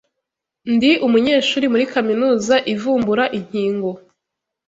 Ndi umunyeshuri muri kaminuza ivumbura inkingo